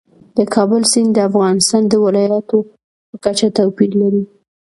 د کابل سیند د افغانستان د ولایاتو په کچه توپیر لري.